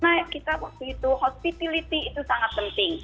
karena kita waktu itu hospitality itu sangat penting